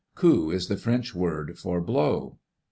Coup is the French word for blow.